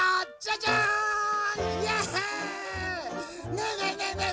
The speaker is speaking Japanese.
ねえねえねえねえ